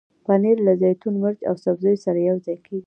پنېر له زیتون، مرچ او سبزیو سره یوځای کېږي.